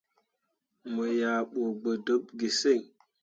Mo yah ɓu gbǝ dǝɓ ge sǝŋ.